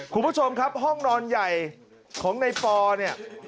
คุณผู้ชมครับห้องนอนใหญ่ของในปอเนี่ย